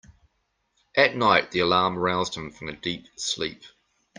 At night the alarm roused him from a deep sleep.